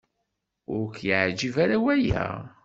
Ur k-yeɛjib ara waya?